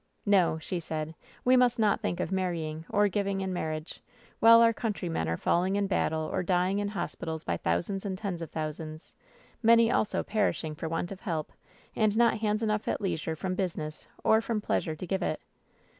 "No," she said, "we must not think of ^marrying or giving in marriage,' while our countrymen are falling in battle or dying in hospitals by thousands and tens of thousands — ^many also perishing for want of help, and not hands enough at leisure from business or from pleasure to give it